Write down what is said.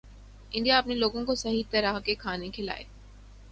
India اپنے لوگوں کو صحیح طرح کھانا کھلائے